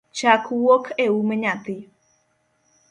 Chak wuok eum nyathi